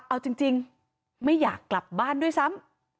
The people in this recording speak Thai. เอาจริงไม่อยากกลับบ้านด้วยซ้ำ